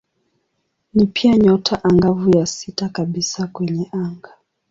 Ni pia nyota angavu ya sita kabisa kwenye anga.